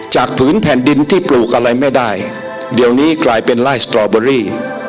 ผืนแผ่นดินที่ปลูกอะไรไม่ได้เดี๋ยวนี้กลายเป็นไล่สตรอเบอรี่